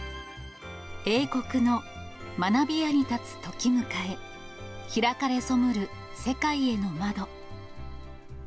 英国の学び舎に立つ時迎へ開かれそむる世界への窓。